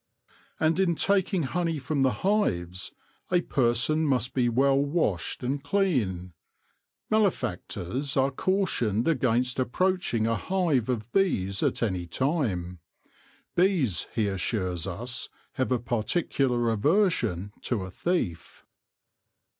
And in taking honey from the hives, a person must be well washed and clean. Malefactors are cautioned against approaching a hive of bees at any time. Bees, he assures us, have a particular aversion to a thief.